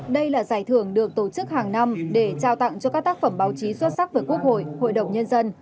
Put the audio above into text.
đây là giải thưởng được tổ chức hàng năm để trao tặng cho các tác phẩm báo chí xuất sắc với quốc hội hội đồng nhân dân